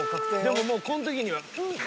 ［でももうこの時にはうっ！